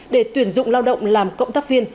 để tuyển dụng lao động làm cộng tác viên